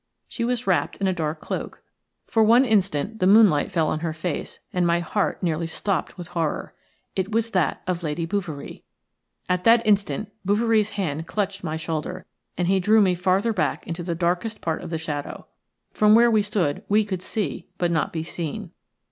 She was wrapped in a dark cloak, For one instant the moonlight fell on her face and my heart nearly stopped with horror. It was that of Lady Bouverie. At that instant Bouverie's hand clutched my shoulder, and he drew me farther back into the darkest part of the shadow. From where we stood we could see but not be seen.